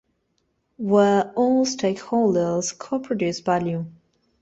Where all stakeholders co-produce value.